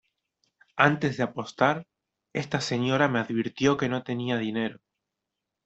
antes de apostar, esta señora me advirtió que no tenía dinero.